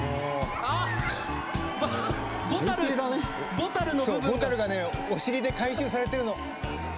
ボタルがねお尻で回収されてるの。